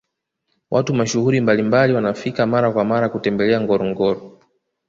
watu mashuhuri mbalimbali wanafika mara kwa mara kutembelea ngorongoro